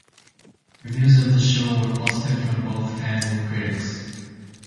Reviews of the show were positive from both fans and critics.